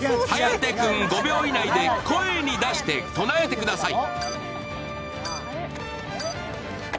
颯君、５秒以内に声に出して唱えてください。